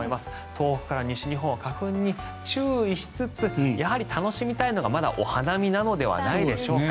東北から西日本は花粉に注意しつつやはり楽しみたいのはまだお花見なのではないでしょうか。